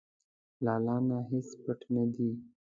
له الله نه هیڅ پټ نه دي.